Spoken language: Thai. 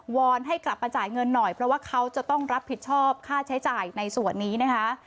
อนให้กลับมาจ่ายเงินหน่อยเพราะว่าเขาจะต้องรับผิดชอบค่าใช้จ่ายในส่วนนี้นะคะ